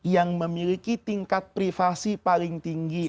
yang memiliki tingkat privasi paling tinggi